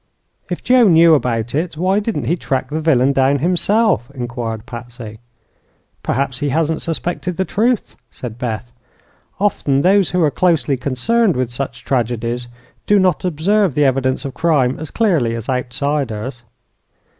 "If Joe knew about it, why didn't he track the villain down himself?" inquired Patsy. "Perhaps he hasn't suspected the truth," said Beth. "Often those who are closely concerned with such tragedies do not observe the evidences of crime as clearly as outsiders."